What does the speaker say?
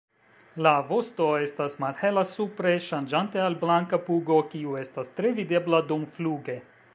La vosto estas malhela supre ŝanĝante al blanka pugo kiu estas tre videbla dumfluge.